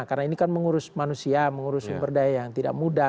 karena ini kan mengurus manusia mengurus sumber daya yang tidak mudah